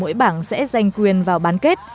mỗi bảng sẽ giành quyền vào bán kết